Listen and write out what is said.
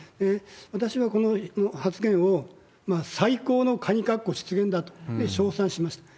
私はこの発言を最高のかぎかっこ出現だと、称賛しました。